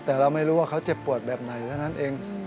แต่เราไม่รู้ว่าเขาเจ็บปวดแบบไหนเท่านั้นเอง